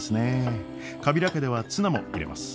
カビラ家ではツナも入れます。